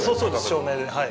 照明です、はい。